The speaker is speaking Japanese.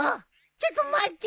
ちょっと待って！